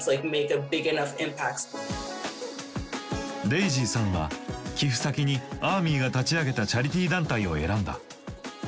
デイジーさんは寄付先にアーミーが立ち上げたチャリティー団体を選んだ。